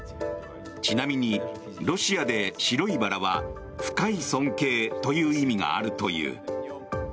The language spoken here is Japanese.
ちなみにロシアで白いバラは深い尊敬という意味があるという。